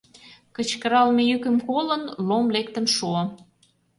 Кычкыралме йӱкым колын, Лом лектын шуо.